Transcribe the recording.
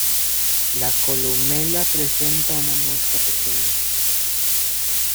La columela presenta una muesca pequeña.